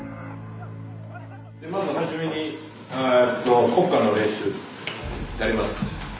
まず初めに国歌の練習やります。